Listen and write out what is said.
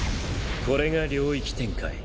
これが領域展開。